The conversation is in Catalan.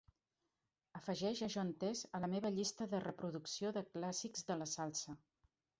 Afegeix John Tesh a la meva llista de reproducció de clàssics de la salsa.